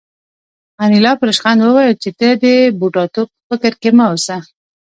انیلا په ریشخند وویل چې ته د بوډاتوب په فکر کې مه اوسه